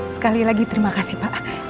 sekali lagi terima kasih pak